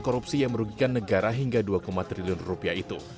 korupsi yang merugikan negara hingga dua triliun rupiah itu